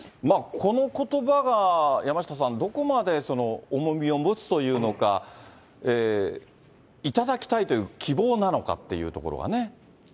このことばが山下さん、どこまで重みを持つというのか、いただきたいという希望なのかっていうところがね。